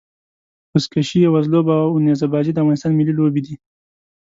بزکشي يا وزلوبه او نيزه بازي د افغانستان ملي لوبي دي.